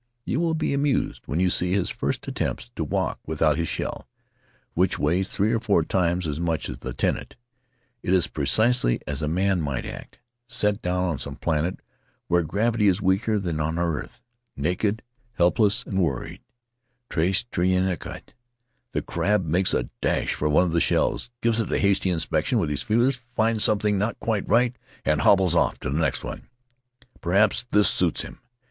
You will be amused when you see his first attempts to walk without his shell, which weighs three or four times as much as the tenant; it is precisely as a man might act, set down on some planet where gravity is weaker than on our earth. Naked, helpless, and worried — tres, [ 237 ]' Faery Lands of the South Seas tres inquiet — the crab makes a dash for one of the shells, gives it a hasty inspection with his feelers, finds some thing not quite right, and hobbles off to the next one. Perhaps this suits him.